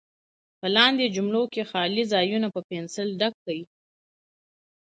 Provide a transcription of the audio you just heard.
په لاندې جملو کې خالي ځایونه په پنسل ډک کړئ.